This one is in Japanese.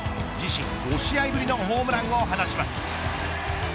自身５試合ぶりのホームランを放ちます。